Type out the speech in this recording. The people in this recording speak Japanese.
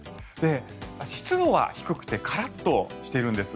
湿度は低くてカラッとしているんです。